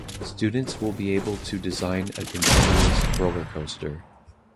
Students will be able to design a continuous rollercoaster